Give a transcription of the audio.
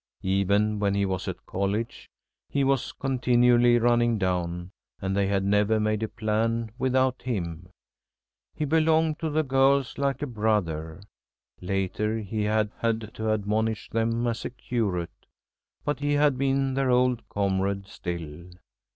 Even when he was at college he was continually running down, and they had never made a plan without him; he belonged to the girls like a brother. Later he had had to admonish them as a curate, but he had been their old comrade still.